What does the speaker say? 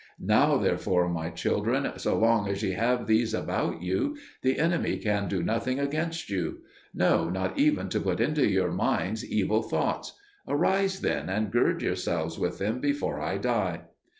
Now therefore, my children, so long as ye have these about you, the enemy can do nothing against you; no, not even to put into your minds evil thoughts. Arise, then, and gird yourselves with them before I die."